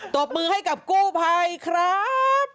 ตบมือให้กับกู้ภัยครับ